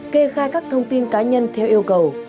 kê khai các thông tin cá nhân theo yêu cầu